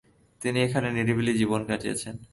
তিনি এখানে নিরিবিলি জীবন কাটিয়েছেন।